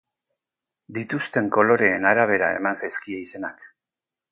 Dituzten koloreen arabera eman zaizkie izenak.